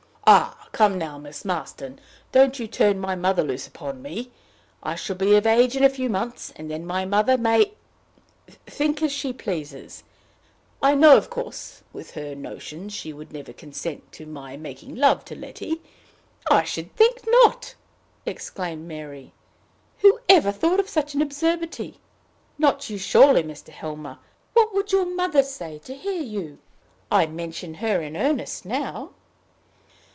"Ah, come now, Miss Marston! Don't you turn my mother loose upon me. I shall be of age in a few months, and then my mother may think as she pleases. I know, of course, with her notions, she would never consent to my making love to Letty " "I should think not!" exclaimed Mary. "Who ever thought of such an absurdity? Not you, surely, Mr. Helmer? What would your mother say to hear you? I mention her in earnest now."